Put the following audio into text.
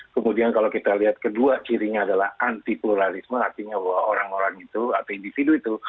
kemudian kalau kita lihat kedua cirinya adalah anti pluralisme artinya bahwa orang orang itu atau individu itu